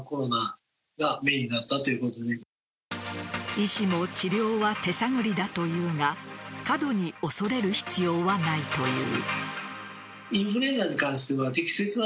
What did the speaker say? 医師も治療は手探りだというが過度に恐れる必要はないという。